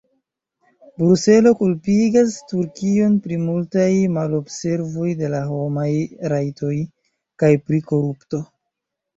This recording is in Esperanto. Bruselo kulpigas Turkion pri multaj malobservoj de la homaj rajtoj kaj pri korupto.